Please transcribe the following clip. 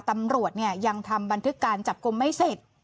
ตำรวจยังทำบันทึกการจับกลุ่มไม่เสร็จ